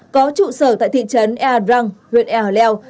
có trụ sở tại thị trấn ea drang huyện ea hờ leo